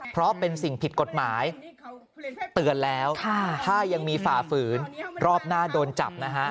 เพราะเป็นสิ่งผิดกฎหมายเตือนแล้วถ้ายังมีฝ่าฝืนรอบหน้าโดนจับนะฮะ